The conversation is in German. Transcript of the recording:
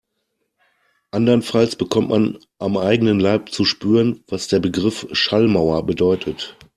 Andernfalls bekommt man am eigenen Leib zu spüren, was der Begriff Schallmauer bedeutet.